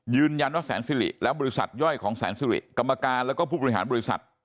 ยืนยันว่าแสนสิริและบริษัทย่อยของแสนสิริกรรมการแล้วก็ผู้บริหารบริษัท